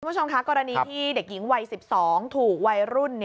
คุณผู้ชมคะกรณีที่เด็กหญิงวัย๑๒ถูกวัยรุ่น